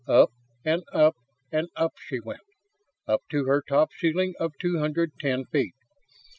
Up and up and up she went. Up to her top ceiling of two hundred ten feet.